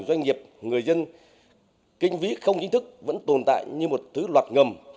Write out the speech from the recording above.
doanh nghiệp người dân kinh ví không chính thức vẫn tồn tại như một thứ loạt ngầm